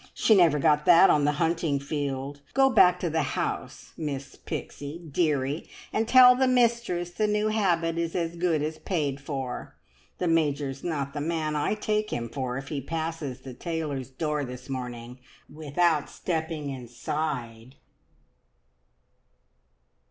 She never got that on the hunting field. Go back to the house, Miss Pixie, dearie, and tell the mistress the new habit is as good as paid for. The Major's not the man I take him for, if he passes the tailor's door this morning without stepping inside!"